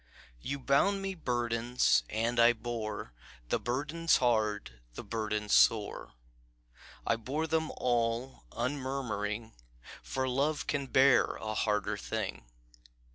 "You bound me burdens, and I bore The burdens hard, the burdens sore; I bore them all unmurmuring, For Love can bear a harder thing.